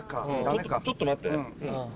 ちょっと待ってね。